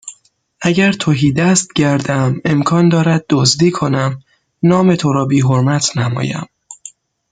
اگر تهیدست گردم امکان دارد دزدی کنم نام تو را بیحرمت نمایم